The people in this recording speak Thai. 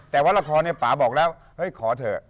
แต่ว่าละครเนี่ยป่าบอกแล้วเฮ้ยขอเถอะ